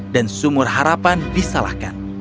dan sumur harapan disalahkan